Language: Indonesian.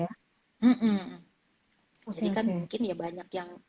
jadi kan mungkin ya banyak yang